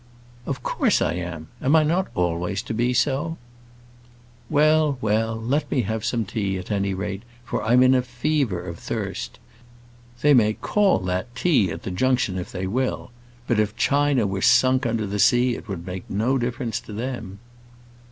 "Of course I am. Am I not always to be so?" "Well, well; let me have some tea, at any rate, for I'm in a fever of thirst. They may call that tea at the Junction if they will; but if China were sunk under the sea it would make no difference to them."